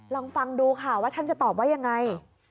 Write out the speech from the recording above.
ลองฟังดูค่ะว่าท่านจะตอบว่ายังไง